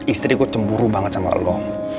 istri gue cemburu banget sama lo